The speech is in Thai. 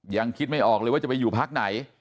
ยังคิดไม่ออกเลยว่าจะไปอยู่พักไหน